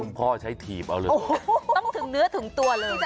พ่อใช้ถีบเอาเลยต้องถึงเนื้อถึงตัวเลย